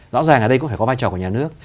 rõ ràng ở đây cũng phải có vai trò của nhà nước